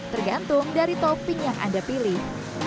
tergantung dari topping yang anda pilih